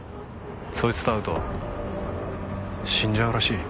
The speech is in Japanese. そいつと会うと死んじゃうらしい。